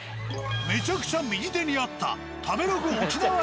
めちゃくちゃ右手にあった。